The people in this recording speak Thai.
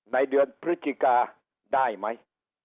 ในเดือนพฤศจิกาได้ไหม